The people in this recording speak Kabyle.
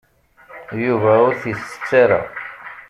Yuba ur t-isett ara.